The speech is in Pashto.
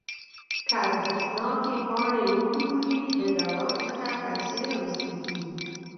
که ارزښتناکې پاڼې وپلوري د دوران څخه پیسې راویستل کیږي.